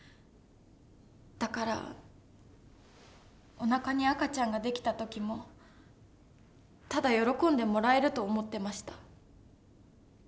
だからおなかに赤ちゃんができた時もただ喜んでもらえると思ってました。